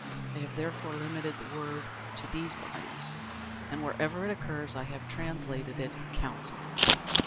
I have therefore limited the word to these bodies, and wherever else it occurs I have translated it "Council."